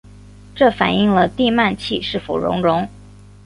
这反映了地幔楔是否熔融。